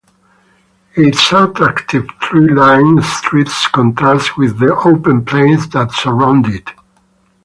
Its attractive tree-lined streets contrast with the open plains that surround it.